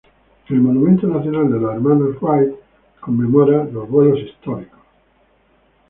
El Monumento Nacional de los Hermanos Wright conmemora los vuelos históricos.